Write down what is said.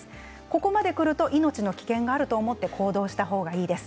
ここまでくると命の危険があると思って行動した方がいいです。